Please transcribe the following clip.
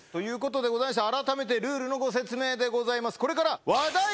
ということでございまして、改めてルールの説明でございます。